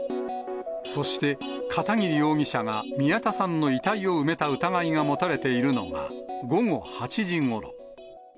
そして片桐容疑者が宮田さんの遺体を埋めた疑いが持たれているのが午後８時ごろ。